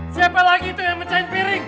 siapa lagi tuh yang mencahin piring